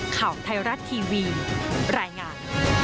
ข่าวไทยรัตน์ทีวีแรงงาน